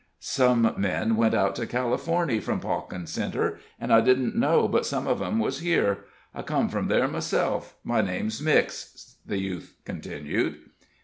"Some men went out to Californy from Pawkin Centre, and I didn't know but some of 'em was here. I come from ther' myself my name's Mix," the youth continued..